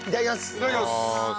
いただきます！